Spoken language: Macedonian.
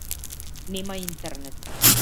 Нема интернет.